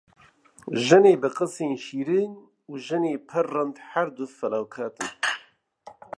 Jinê bi qisên şîrîn û jinê pir rind her du felaket in.